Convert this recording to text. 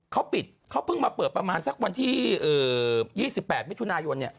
เขาปิดเขาเพิ่งมาเปิดประมาณสักวันที่๒๘มิถุนายน